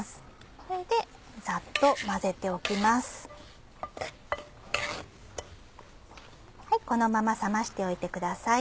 このまま冷ましておいてください。